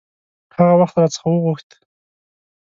هغه وخت را څخه وغوښت.